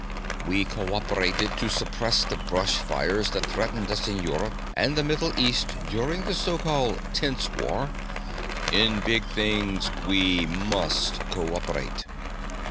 We co operated to suppress the brush fires that threatened us in Europe and the Middle East during the so called Tense War. In big things we must co operate.